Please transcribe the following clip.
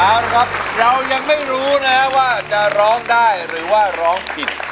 เอาละครับเรายังไม่รู้นะครับว่าจะร้องได้หรือว่าร้องผิด